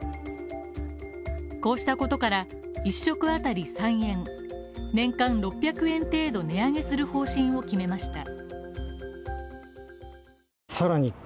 こうしたことから、一食あたり３円、年間６００円程度値上げする方針を決めました。